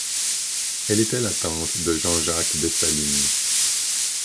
Elle était la tante de Jean-Jacques Dessalines.